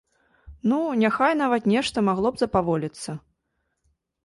Ну, няхай нават нешта магло б запаволіцца.